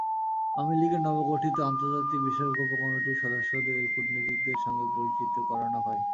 আওয়ামী লীগের নবগঠিত আন্তর্জাতিক বিষয়ক উপকমিটির সদস্যদের কূটনীতিকদের সঙ্গে পরিচিত করানো হয়।